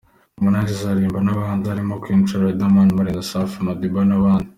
Harmonize azaririmbana n’abahanzi barimo Queen Cha, Riderman, Marina, Safi Madiba n’abandi.